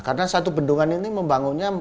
karena satu bendungan ini membangunnya